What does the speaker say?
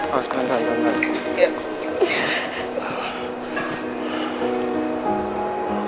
pas bantuan bantuan